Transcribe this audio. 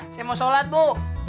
saya mau sholat bu